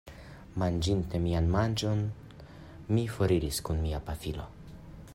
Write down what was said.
Manĝinte mian manĝon, mi foriris kun mia pafilo.